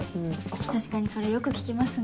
確かにそれよく聞きますね。